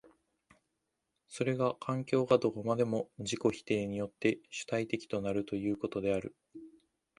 それが環境がどこまでも自己否定によって主体的となるということである。